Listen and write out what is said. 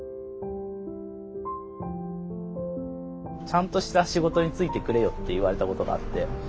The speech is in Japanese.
ちゃんとした仕事に就いてくれよって言われたことがあって。